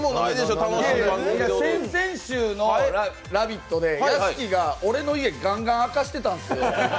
先々週の「ラヴィット！」で屋敷が俺の家、がんがん明かしてたんですよ。